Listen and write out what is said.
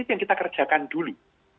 itu yang kita kerjakan dulu